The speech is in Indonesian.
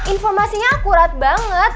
informasinya akurat banget